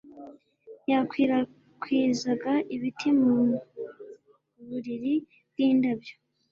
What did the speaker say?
Yakwirakwizaga ibiti mu buriri bwindabyo